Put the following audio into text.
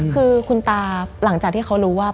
คือคุณตาหลังจากที่เขารู้ว่า